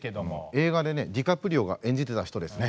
映画でねディカプリオが演じてた人ですね。